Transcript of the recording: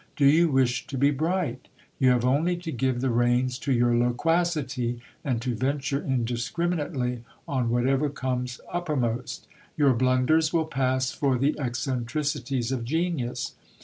Do you wish to be bright ? You have only to give the reins to your loquacity, and to venture indiscriminately on whatever comes uppermost : your blunders will pass for the eccentricities of genius.